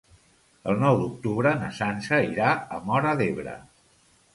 El nou d'octubre na Sança irà a Móra d'Ebre.